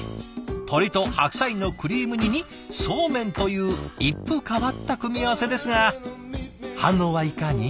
鶏と白菜のクリーム煮にそうめんという一風変わった組み合わせですが反応はいかに？